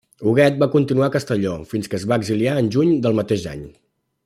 Huguet va continuar a Castelló fins que es va exiliar en juny del mateix any.